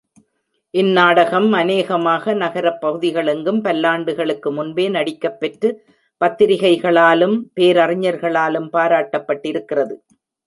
இந் நாடகம் அநேகமாக நகரப் பகுதிகளெங்கும் பல்லாண்டுகளுக்கு முன்பே நடிக்கப்பெற்று பத்திரிகைகளாலும் பேரறிஞர்களாலும் பாராட்டப் பட்டிருக்கிறது.